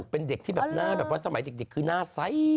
เป็นเด็กที่แบบหน้าแบบว่าสมัยเด็กคือหน้าใส